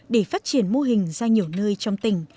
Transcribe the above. để phát triển mô hình ra nhiều nơi trong tỉnh